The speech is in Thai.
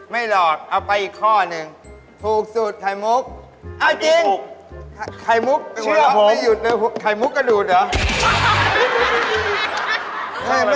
ยังมียับอีกหรืออย่างอ้าวชุดหน้า